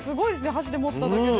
箸で持った時も。